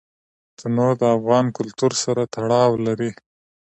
تنوع د افغان کلتور سره تړاو لري.